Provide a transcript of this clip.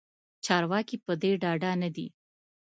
چارواکې پدې ډاډه ندي